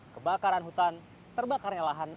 kebakaran hutan terbakarnya lahan